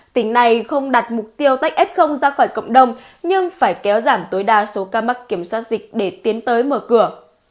tỉnh này không đặt mục tiêu tách f ra khỏi cộng đồng nhưng phải kéo giảm tối đa số ca mắc kiểm soát dịch để tiến tới mở cửa